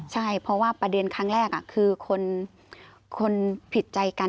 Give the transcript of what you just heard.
ใช่เพราะว่าประเด็นครั้งแรกคือคนผิดใจกัน